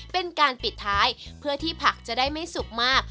เป็นการปิดท้ายเพื่อที่ผักจะได้ไม่สุกมาก